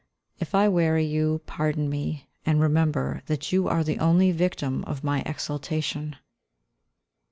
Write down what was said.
If I weary you, pardon me, and remember that you are the only victim of my exaltation.